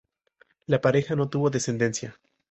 La pareja no tuvo descendencia.